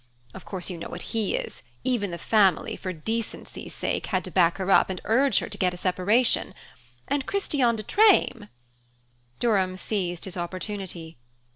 Of course you know what he is; even the family, for decency's sake, had to back her up, and urge her to get a separation. And Christiane de Treymes " Durham seized his opportunity.